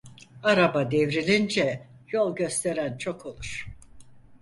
Araba devrilince yol gösteren çok olur.